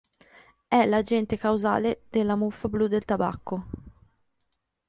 È l'agente causale della muffa blu del tabacco.